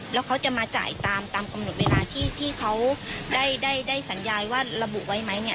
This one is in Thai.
แล้วเขาจะมาจ่ายตามตามกำหนดเวลาที่เขาได้สัญญาว่าระบุไว้ไหมเนี่ย